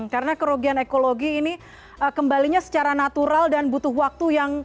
karena kerugian ekologi ini kembalinya secara natural dan butuh waktu